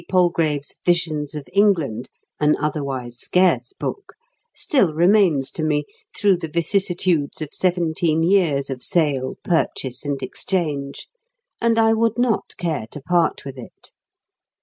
Palgrave's "Visions of England" (an otherwise scarce book), still remains to me through the vicissitudes of seventeen years of sale, purchase, and exchange, and I would not care to part with it.